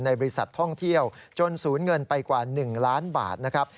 บริษัทท่องเที่ยวจนสูญเงินไปกว่า๑ล้านบาทนะครับ